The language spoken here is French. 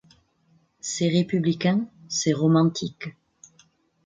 C’est républicain, c’est romantique.